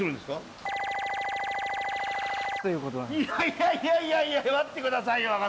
いやいやいやいやいや待ってくださいよ芳賀さん！